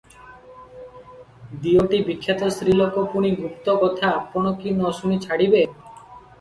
ଦିଓଟି ବିଖ୍ୟାତ ସ୍ତ୍ରୀଲୋକ ପୁଣି ଗୁପ୍ତକଥା ଆପଣ କି ନ ଶୁଣି ଛାଡ଼ିବେ?